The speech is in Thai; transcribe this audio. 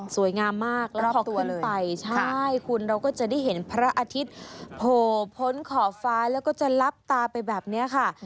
สวยงามมากแล้วก็ขึ้นไปใช่คุณเราก็จะได้เห็นพระอาทิตย์โผล่พ้นขอบฟ้าแล้วก็จะลับตาไปแบบนี้ค่ะ